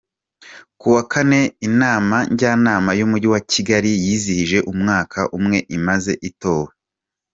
Kuwa kane Inama Njyanama y’Umujyi wa Kigali yizihije umwaka umwe imaze itowe.